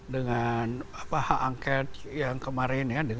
dengan hak angket yang kemarin ya